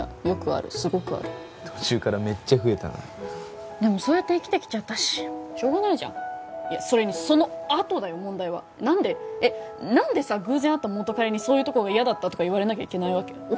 よくあるすごくある途中からめっちゃ増えたなでもそうやって生きてきちゃったししょうがないじゃんいやそれにそのあとだよ問題は何でえっ何でさ偶然会った元彼にそういうとこが嫌だったとか言われなきゃいけないわけ？